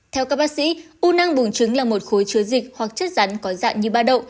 theo ca bác sĩ u nang bùng trứng là một khối chứa dịch hoặc chất rắn có dạng như ba đậu